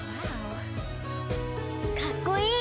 かっこいい！